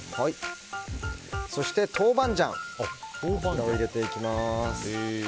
そして豆板醤を入れていきます。